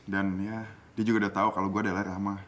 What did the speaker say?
dan ya dia juga udah tau kalau gue adalah rama